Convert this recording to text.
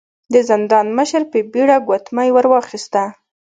د زندان مشر په بيړه ګوتمۍ ور واخيسته.